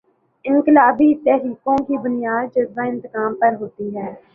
انقلابی تحریکوں کی بنیاد جذبۂ انتقام پر ہوتی ہے۔